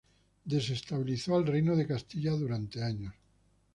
Desestabilizó al Reino de Castilla durante años.